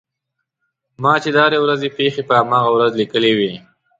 ما چې د هرې ورځې پېښې په هماغه ورځ لیکلې وې.